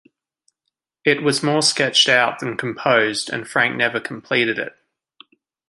It was more sketched out than composed and Franck never completed it.